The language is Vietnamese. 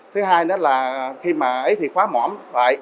thứ hai nữa là khi mà ấy thì khóa mỏm lại